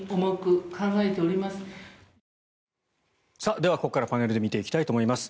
では、ここからパネルで見ていきたいと思います。